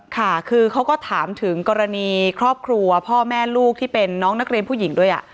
ค่ะคือเขาก็ถามถึงกรณีครอบครัวพ่อแม่ลูกที่เป็นน้องนักเรียนผู้หญิงด้วย